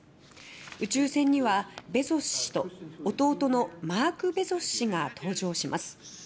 宇宙船には、ベゾス氏と弟のマーク・ベゾス氏が搭乗します。